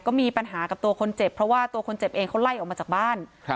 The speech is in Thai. ก็มีปัญหากับตัวคนเจ็บเพราะว่าตัวคนเจ็บเองเขาไล่ออกมาจากบ้าน